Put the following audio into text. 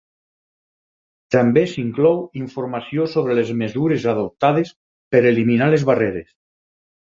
També s'inclou informació sobre les mesures adoptades per eliminar les barreres.